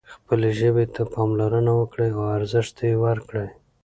خپلې ژبې ته پاملرنه وکړئ او ارزښت ورکړئ.